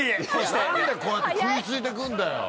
何でこうやって食い付いて来んだよ！